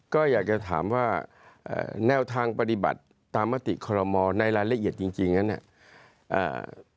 ก็อยากจะถามว่าแนวทางปฏิบัติตามมติคอรมอลในรายละเอียดจริงจริงนั้นเนี่ย